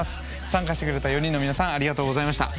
参加してくれた４人の皆さんありがとうございました。